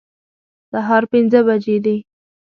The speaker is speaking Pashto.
سهار پنځه بجې دي